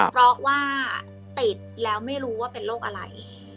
เพราะว่าติดแล้วไม่รู้ว่าเป็นโรคอะไร